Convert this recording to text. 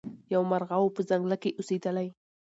یو مرغه وو په ځنګله کي اوسېدلی